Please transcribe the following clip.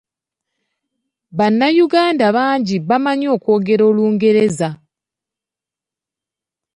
Bannayuganda bangi bamanyi okwongera Olungereza.